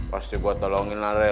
pasti gue tolongin lah re